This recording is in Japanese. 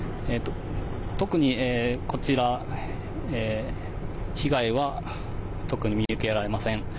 特にこちら、被害は特に見受けられません。